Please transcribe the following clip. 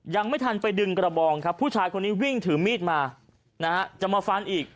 ยังไม่ทันไปดึงกระบองครับผู้ชายคนนี้วิ่งถือมีดมานะฮะจะมาฟันอีก